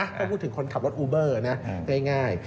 ถ้าพูดถึงคนขับรถอูเบอร์นะง่าย